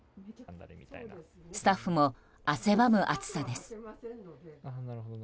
スタッフも汗ばむ暑さです。